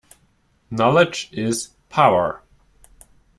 Knowledge is power.